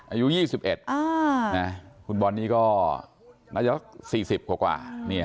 อายุ๒๑คุณบอลนี่ก็นักยก๔๐กว่ากว่า